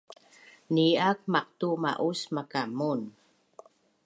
nii’ak maqtu ma’us makamun